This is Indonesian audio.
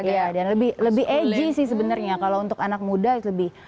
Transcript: iya dan lebih egy sih sebenarnya kalau untuk anak muda itu lebih